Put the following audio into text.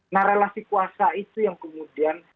nah relasi kuasa itu yang kemudian